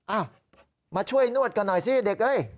อ้าวมาช่วยนวดกันหน่อยสิเด็กเอ้ย